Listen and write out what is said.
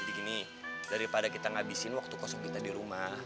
jadi gini daripada kita ngabisin waktu kosong kita di rumah